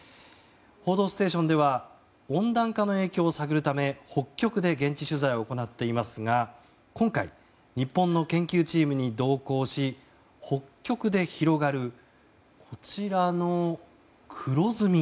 「報道ステーション」では温暖化の影響を探るため北極で現地取材を行っていますが今回、日本の研究チームに同行し北極で広がる、こちらの黒ずみ。